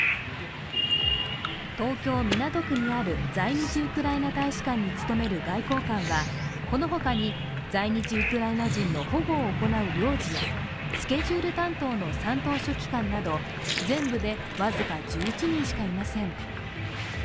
東京・港区にある在日ウクライナ大使館に勤める外交官はこのほかに在日ウクライナ人の保護を行う領事やスケジュール担当の三等書記官など全部で僅か１１人しかいません。